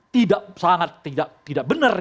tidak sangat tidak benar